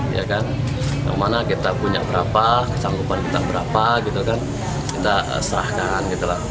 yang mana kita punya berapa kesanggupan kita berapa kita serahkan